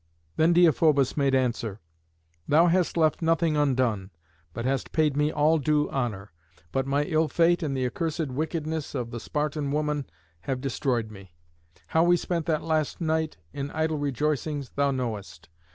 Then Deïphobus made answer: "Thou hast left nothing undone, but hast paid me all due honour. But my ill fate and the accursed wickedness of the Spartan woman have destroyed me. How we spent that last night in idle rejoicings thou knowest.